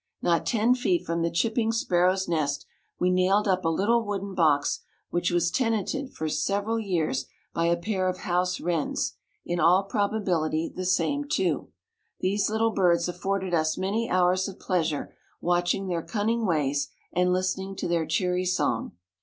Not ten feet from the chipping sparrow's nest, we nailed up a little wooden box which was tenanted for several years by a pair of house wrens, in all probability the same two. These little birds afforded us many hours of pleasure watching their cunning ways and listening to their cheery song.